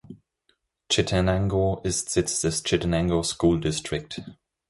Chittenango ist Sitz des Chittenango School District.